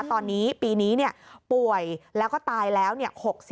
ตอนนี้ปีนี้เนี่ยป่วยแล้วก็ตายแล้วเนี่ย